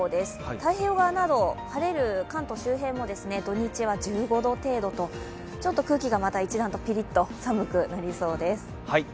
太平洋側など晴れる関東周辺で土日は１５度程度と、ちょっと空気が一段とピリッと寒くなりそうです。